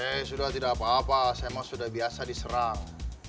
eh sudah tidak apa apa saya memang sudah biasa diserang